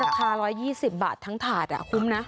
ราคา๑๒๐บาททั้งถาดคุ้มนะ